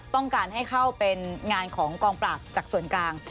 ต้องการให้เข้าเป็นงานของกองปราบจากส่วนกลาง